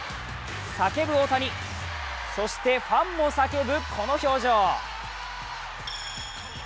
叫ぶ大谷、そしてファンも叫ぶこの表情。